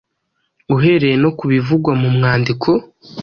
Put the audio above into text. uhereye no ku bivugwa mu mwandiko.